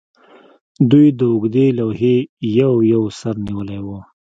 دوی د اوږدې لوحې یو یو سر نیولی و